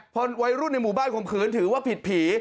พอวัยรุ่นในหมู่บ้านควบคุณถึงว่าผิดผี